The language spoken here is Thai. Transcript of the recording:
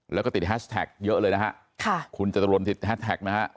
แล้วก็ติดแฮชแท็กเยอะเลยนะครับคุณจัตรนติดแฮชแท็กนะครับ